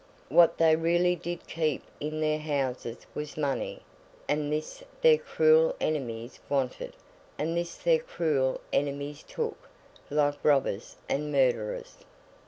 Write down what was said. What they really did keep in their houses was money; and this their cruel enemies wanted, and this their cruel enemies took, like robbers and murderers.